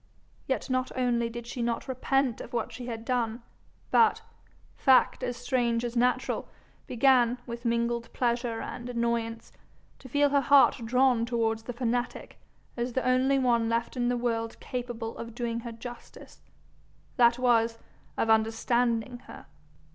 Yet not only did she not repent of what she had done, but, fact as strange as natural, began, with mingled pleasure and annoyance, to feel her heart drawn towards the fanatic as the only one left her in the world capable of doing her justice, that was, of understanding her.